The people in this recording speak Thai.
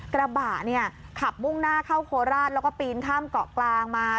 กระบะเนี่ยขับมุ่งหน้าเข้าโคราชแล้วก็ปีนข้ามเกาะกลางมา